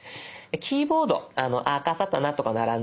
キーボードあかさたなとか並んでいる所